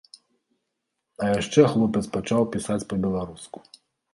А яшчэ хлопец пачаў пісаць па-беларуску.